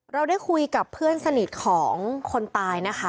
เราได้คุยกับเพื่อนสนิทของคนตายนะคะ